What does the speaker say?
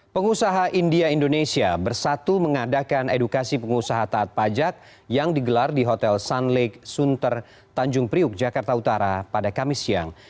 pengusaha india indonesia bersatu mengadakan edukasi pengusaha taat pajak yang digelar di hotel sun lake sunter tanjung priuk jakarta utara pada kamis siang